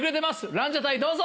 ランジャタイどうぞ。